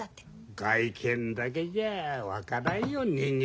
外見だけじゃ分からんよ人間。